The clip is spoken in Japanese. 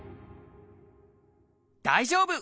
大丈夫！